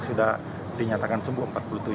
sudah dinyatakan sembuh empat puluh tujuh